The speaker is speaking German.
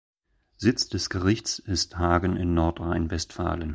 Sitz des Gerichts ist Hagen in Nordrhein-Westfalen.